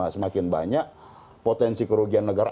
semakin banyak potensi kerugian negara